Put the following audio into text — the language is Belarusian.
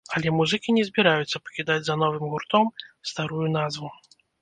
Але музыкі не збіраюцца пакідаць за новым гуртом старую назву.